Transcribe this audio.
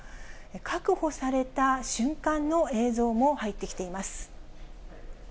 確保された瞬間の映像も入ってきています。